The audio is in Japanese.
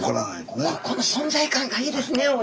この存在感がいいですね